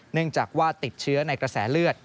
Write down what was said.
เนื่องจากว่าติดเชื้อในกระแสเลือด